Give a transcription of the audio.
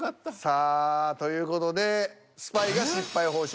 さあという事でスパイが失敗報酬